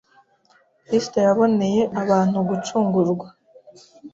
Kristo yaboneye abantu gucungurwa.